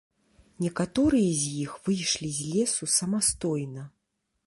Некаторыя з іх выйшлі з лесу самастойна.